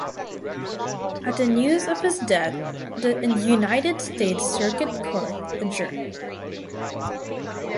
At the news of his death the United States Circuit Court adjourned.